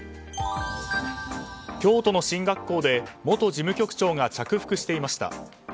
教徒の進学校で元事務局長が着服していました。